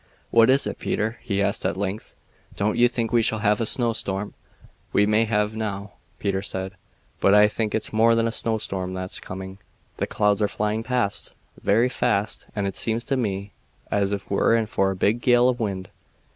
"What is it, Peter?" he asked at length. "Don't you think we shall have a snowstorm?" "We may have snow," Peter said, "but I think it's more than a snowstorm that's coming. The clouds are flying past very fast, and it seems to me as ef we're in for a big gale of wind."